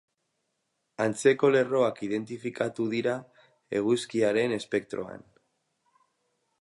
Antzeko lerroak identifikatu dira eguzkiaren espektroan.